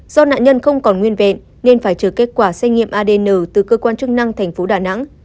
do nạn nhân không còn nguyên vẹn nên phải chờ kết quả xét nghiệm adn từ cơ quan chức năng thành phố đà nẵng